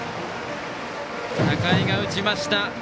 高井が打ちました。